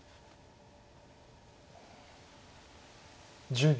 １０秒。